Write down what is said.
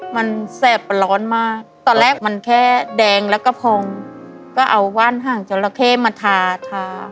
มันแสบร้อนมากตอนแรกมันแค่แดงแล้วก็พองก็เอาว่านห่างจราเข้มาทาทา